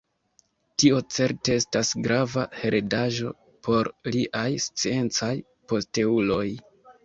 Tio certe estas grava heredaĵo por liaj sciencaj posteuloj.